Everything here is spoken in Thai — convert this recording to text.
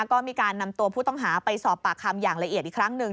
ก็มีการนำตัวผู้ต้องหาไปสอบปากคำอย่างละเอียดอีกครั้งหนึ่ง